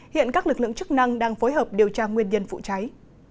hiện các lực lượng chức năng đang phối hợp điều tra nguyên nhân vụ cháy